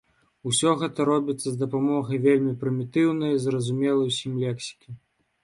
Усё гэта робіцца з дапамогай вельмі прымітыўнай, зразумелай усім лексікі.